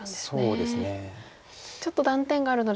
そうですね。